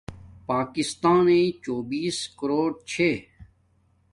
پاکسانی آبادی چوبیس کوروٹ چھی